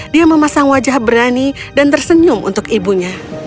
dia memasang wajah berani dan tersenyum untuk ibunya